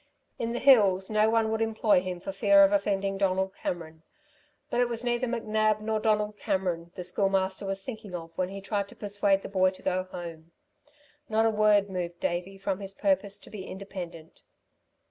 In the hills no one would employ him for fear of offending Donald Cameron. But it was neither McNab, nor Donald Cameron, the Schoolmaster was thinking of when he tried to persuade the boy to go home. Not a word moved Davey from his purpose to be independent.